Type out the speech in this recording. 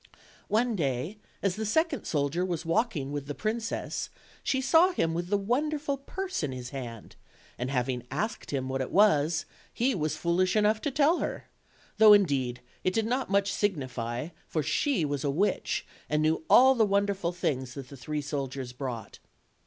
One day., as the second soldier was walking with the princess, she saw him with the wonderful purse in his hand; and having asked him what it was, he was foolish enough to tell her: though, indeed, it did not much signify, for she was a witch and knew all the wonderful things that the three soldiers brought.